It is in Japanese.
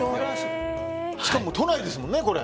しかも都内ですもんね、これ。